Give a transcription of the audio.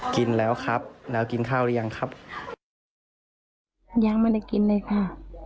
กินแล้วครับแล้วกินข้าวหรือยังครับยังไม่ได้กินเลยค่ะ